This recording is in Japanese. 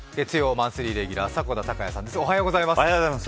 マンスリーレギュラー迫田孝也さんです。